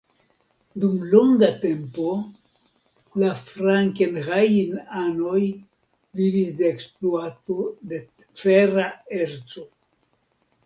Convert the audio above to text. Dum longa tempo la frankenhain-anoj vivis de ekspluato de fera erco.